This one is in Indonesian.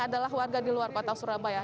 adalah warga di luar kota surabaya